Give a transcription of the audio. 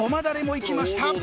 だれもいきました。